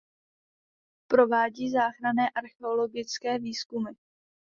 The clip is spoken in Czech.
Provádí záchranné archeologické výzkumy.